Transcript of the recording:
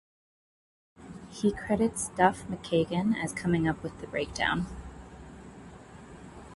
He credits Duff McKagan as coming up with the breakdown.